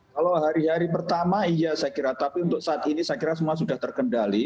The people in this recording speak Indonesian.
kalau hari hari pertama iya saya kira tapi untuk saat ini saya kira semua sudah terkendali